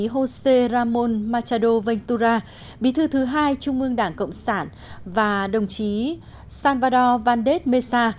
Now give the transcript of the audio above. josé ramón machado ventura bí thư thứ hai trung mương đảng cộng sản và đồng chí salvador valdés mesa